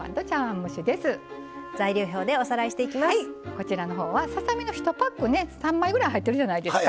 こちらの方はささ身の１パックね３枚ぐらい入ってるじゃないですか。